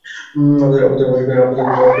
আপাতত আমার সঙ্গে বাহির হইয়া পড়ো।